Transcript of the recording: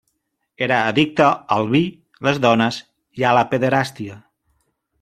Era addicte al vi, les dones i a la pederàstia.